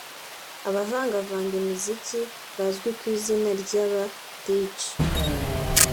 abavangavanga imiziki bazwi ku izina ry’aba djs